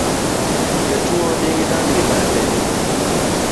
Jatuo nigi dangni mar del